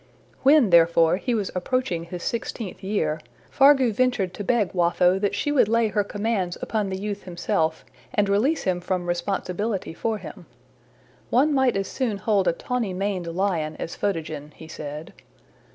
When, therefore, he was approaching his sixteenth year, Fargu ventured to beg Watho that she would lay her commands upon the youth himself, and release him from responsibility for him. One might as soon hold a tawny maned lion as Photogen, he said.